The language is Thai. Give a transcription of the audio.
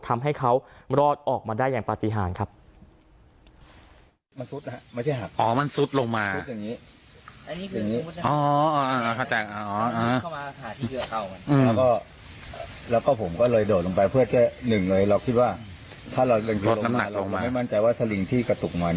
ทำให้เขารอดออกมาได้อย่างปฏิหารครับมันซุดนะฮะไม่ใช่หัก